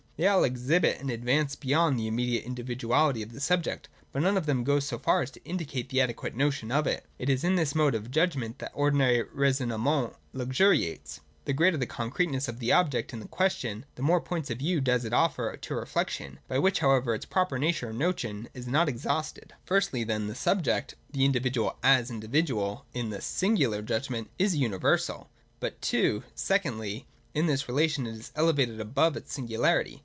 They all exhibit an advance beyond the immediate individuality of the subject, but none of them goes so far as to indicate the adequate notion of it. It is in this mode of judgment that ordinary raisonnement luxuriates. The greater the concreteness of the object in question, the more points of view does it offer to reflection ; by which however its proper nature or notion is not ex hausted. 175. J (i) Firstly then the subject, the individual as individual (in the Singular judgment), is a universal. But (2) secondly, in this relation it is elevated above its singularity.